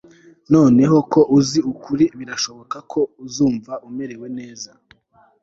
Noneho ko uzi ukuri birashoboka ko uzumva umerewe neza